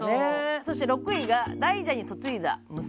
そうそして６位が「大蛇に嫁いだ娘」